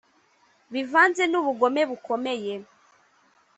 bivanze n'ubugome bukomeye